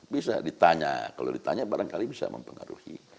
bisa juga tidak ditanya kalau ditanya barangkali bisa mempengaruhi